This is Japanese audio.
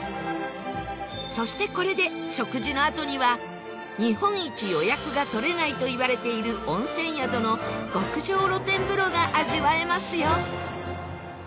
そして、これで食事のあとには日本一、予約が取れないといわれている温泉宿の極上露天風呂が味わえますよ